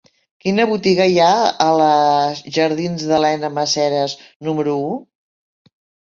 Quina botiga hi ha a la jardins d'Elena Maseras número u?